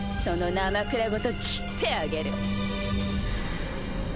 そのなまくらごと斬ってあげる